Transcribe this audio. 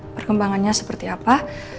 perkembangannya seperti apa